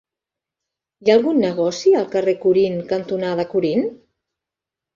Hi ha algun negoci al carrer Corint cantonada Corint?